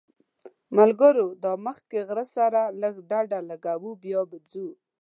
ملګرو دا مخکې غره سره لږ ډډه لګوو بیا به ځو.